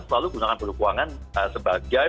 selalu gunakan produk keuangan sebagai